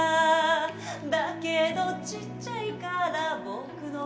「だけどちっちゃいからぼくのこと」